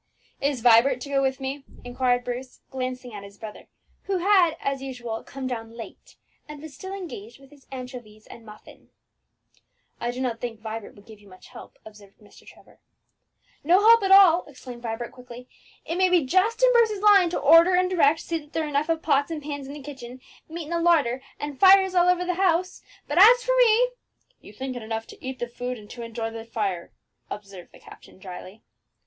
"Is Vibert to go with me?" inquired Bruce, glancing at his brother, who had, as usual, come down late, and was still engaged with his anchovies and muffin. "I do not think that Vibert would give you much help," observed Mr. Trevor. "No help at all," exclaimed Vibert quickly. "It may be just in Bruce's line to order and direct, see that there are enough of pots and pans in the kitchen, meat in the larder, and fires all over the house; but as for me " "You think it enough to eat the food and enjoy the fire," observed the captain drily.